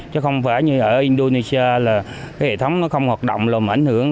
chứ không phải như ở indonesia là cái hệ thống nó không hoạt động là mà ảnh hưởng